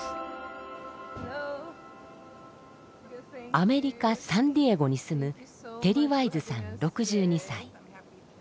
アメリカ・サンディエゴに住むテリ・ワイズさん６２歳。